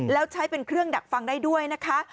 แล้วใช้เป็นเครื่องดักฟังได้ด้วยนะคะ